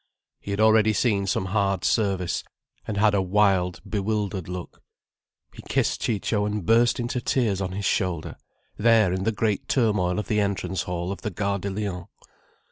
He had already seen some hard service, and had a wild, bewildered look. He kissed Ciccio and burst into tears on his shoulder, there in the great turmoil of the entrance hall of the Gare de Lyon.